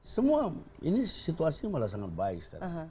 semua ini situasi malah sangat baik